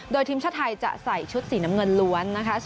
โดยทีมชาติไทยจะใส่ชุดสีน้ำเงินล้วนนะคะ